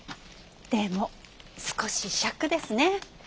でも少ししゃくですね。